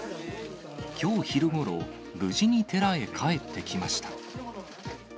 きょう昼ごろ、無事に寺へ帰ってきました。